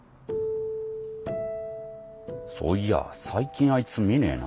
そういや最近あいつ見ねえな。